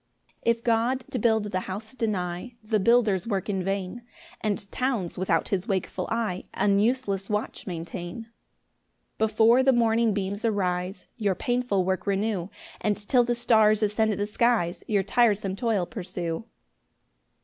1 If God to build the house deny, The builders work in vain; And towns, without his wakeful eye, An useless watch maintain. 2 Before the morning beams arise, Your painful work renew, And till the stars ascend the skies Your tiresome toil pursue.